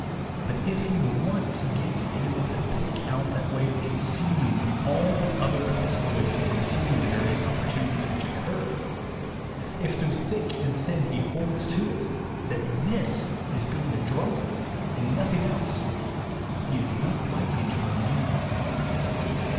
But if he once gets able 40 THE WAY TO WILL POWER to pick out that way of conceiving from all the other possible ways of conceiving the various opportunities which occur, if through thick and thin he holds to it that this is being a drunkard and nothing else, he is not likely to remain one long.